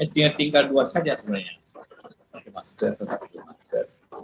dia tinggal dua saja sebenarnya